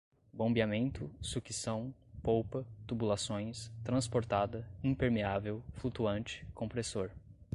bombeamento, sucção, polpa, tubulações, transportada, impermeável, flutuante, compressor